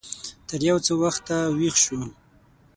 تر يو څه وخته ويښ و.